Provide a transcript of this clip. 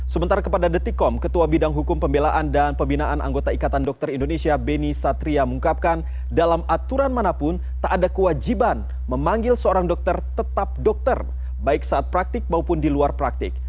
sementara kepada detikom ketua bidang hukum pembelaan dan pembinaan anggota ikatan dokter indonesia beni satria mengungkapkan dalam aturan manapun tak ada kewajiban memanggil seorang dokter tetap dokter baik saat praktik maupun di luar praktik